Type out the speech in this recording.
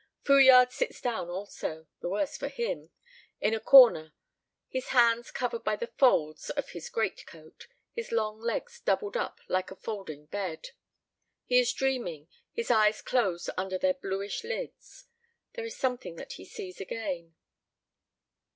Fouillade sits down also the worse for him! in a corner, his hands covered by the folds of his greatcoat, his long legs doubled up like a folding bed. He is dreaming, his eyes closed under their bluish lids; there is something that he sees again.